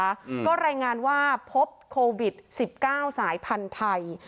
อืมก็รายงานว่าพบโควิดสิบเก้าสายพันธุ์ไทย